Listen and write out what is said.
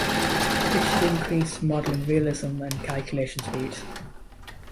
This should increase modeling realism and calculation speed.